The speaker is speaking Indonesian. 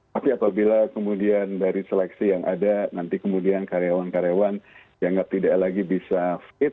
tapi apabila kemudian dari seleksi yang ada nanti kemudian karyawan karyawan dianggap tidak lagi bisa fit